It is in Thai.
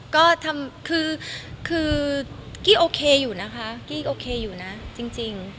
กี้โอเคอยู่นะคะจริง